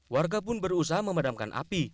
warga pun berusaha memadamkan api